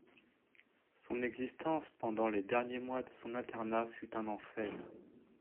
Son existence, pendant les derniers mois de son internat, fut un enfer.